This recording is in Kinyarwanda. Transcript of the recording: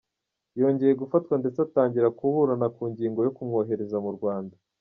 Yongeye gufatwa ndetse atangira kuburana ku ngingo yo kumwohereza mu Rwanda.